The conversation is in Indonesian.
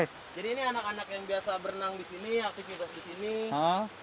jadi ini anak anak yang biasa berenang di sini aktif di sini